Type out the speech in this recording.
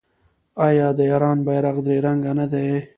آیا د ایران بیرغ درې رنګه نه دی؟